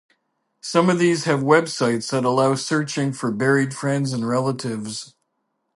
Some of these have web sites that allow searching for buried friends and relatives.